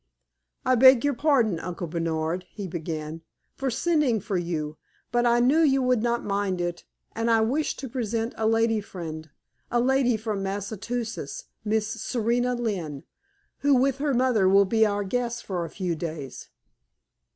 "I beg your pardon, Uncle Bernard," he began, "for sending for you; but I knew you would not mind it, and I wish to present a lady friend a lady from Massachusetts, Miss Serena Lynne who with her mother will be our guest for a few days."